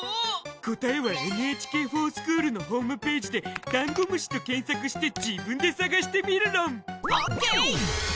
答えは「ＮＨＫｆｏｒＳｃｈｏｏｌ」のホームぺージでダンゴムシと検索して自分で探してみるろん！ＯＫ！